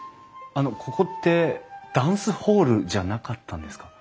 あのここってダンスホールじゃなかったんですか？